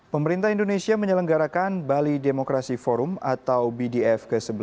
pemerintah indonesia menyelenggarakan bali demokrasi forum atau bdf ke sebelas